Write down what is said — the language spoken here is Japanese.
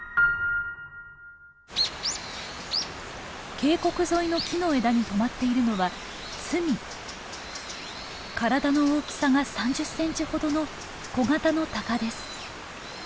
渓谷沿いの木の枝に止まっているのは体の大きさが３０センチほどの小型のタカです。